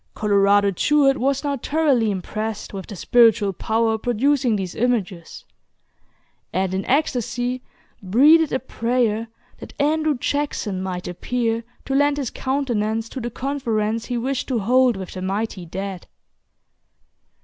Colorado Jewett was now thoroughly impressed with the spiritual power producing these images; and in ecstasy breathed a prayer that Andrew Jackson might appear to lend his countenance to the conference he wished to hold with the mighty dead.